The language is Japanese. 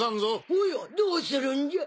おやどうするんじゃ？